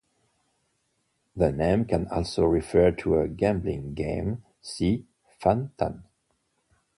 The name can also refer to a gambling game, see Fan-Tan.